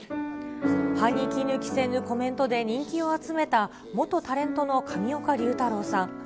歯にきぬ着せぬコメントで人気を集めた、元タレントの上岡龍太郎さん。